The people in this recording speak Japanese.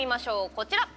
こちら！